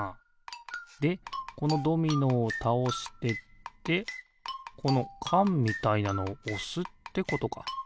でこのドミノをたおしてってこのかんみたいなのをおすってことか。